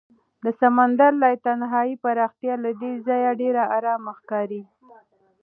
د سمندر لایتناهي پراختیا له دې ځایه ډېره ارامه ښکاري.